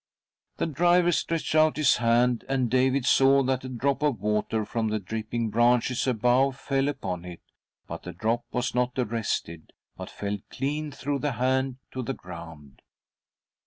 The driver stretched out his hand, and David saw that a drop of water, from the dripping branches above, fell upon it— but the drop was not arrested, but fell clean through the hand to the ground.